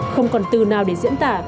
không còn từ nào để diễn tả